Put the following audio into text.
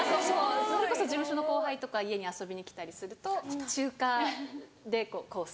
それこそ事務所の後輩とか家に遊びに来たりすると中華でコース